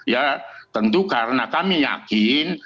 ya tentu karena kami yakin